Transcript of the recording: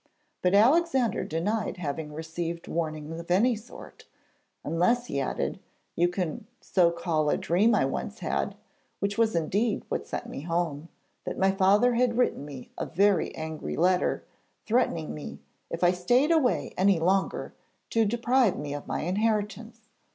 But Alexander denied having received warning of any sort, 'unless,' he added, 'you can so call a dream I once had which was indeed what sent me home that my father had written me a very angry letter, threatening me, if I stayed away any longer, to deprive me of my inheritance.